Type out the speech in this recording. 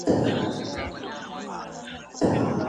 ايا د تجربې تکرار ته په رښتيا علم ويل کېږي؟